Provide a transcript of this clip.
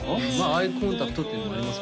アイコンタクトっていうのもあります